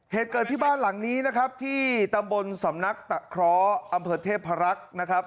เหตุเกิดที่บ้านหลังนี้นะครับที่ตำบลสำนักตะเคราะห์อำเภอเทพรักษ์นะครับ